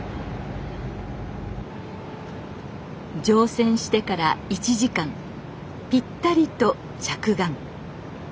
乗船してから１時間ぴったりと着岸。